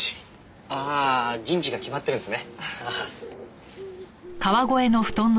ああ陣地が決まってるんですね。